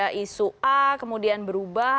ada isu a kemudian berubah